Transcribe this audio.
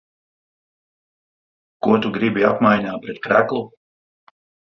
Ko tu gribi apmaiņā pret kreklu?